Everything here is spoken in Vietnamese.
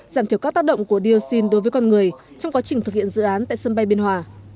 giảm thiểu các tác động của dioxin đối với con người trong quá trình thực hiện dự án tại sân bay biên hòa